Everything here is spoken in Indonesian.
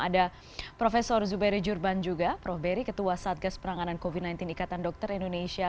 ada prof zubairi jurban juga prof beri ketua satgas penanganan covid sembilan belas ikatan dokter indonesia